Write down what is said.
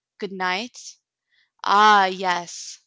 Good night? Ah, yes.